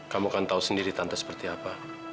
kamu akan tahu sendiri tante seperti apa